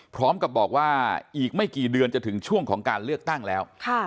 พร้อมกับบอกว่าอีกไม่กี่เดือนจะถึงช่วงของการเลือกตั้งแล้ว